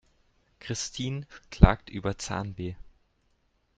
Christin klagt über Zahnweh.